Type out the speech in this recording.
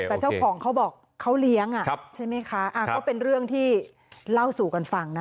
แต่เจ้าของเขาบอกเขาเลี้ยงใช่ไหมคะก็เป็นเรื่องที่เล่าสู่กันฟังนะ